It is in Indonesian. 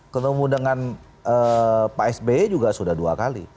ketemu dengan pak sby juga sudah dua kali